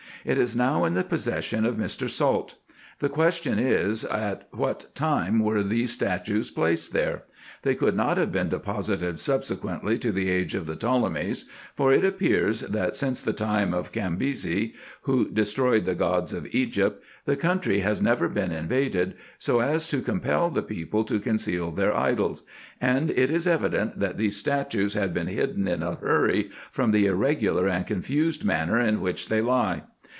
It is now in the possession of Mr. Salt. The question is, at what time were these statues placed there ? They could not have been deposited subsequently to the age of the Ptolemies ; for it appears, that since the time of Cambyse;:, who destroyed the Gods of Egypt, the country has never been invaded, so as to compel the people to conceal their idols ; and it is evident, that these statues had been hidden in a hurry, from the irregular and confused manner in which they lie.